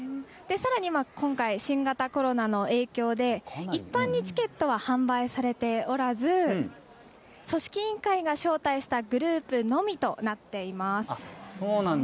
さらに今回、新型コロナの影響で一般にチケットは販売されておらず組織委員会が招待したグループのみとなっています。